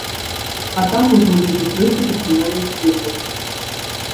А так ужо людзі крыху пачынаюць дыхаць.